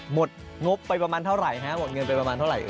หมดงบไปประมาณเท่าไรหมดเงินไปประมาณเท่าไร